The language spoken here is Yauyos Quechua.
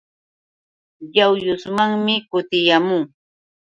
Yawyusmanmi kutiyaamuu.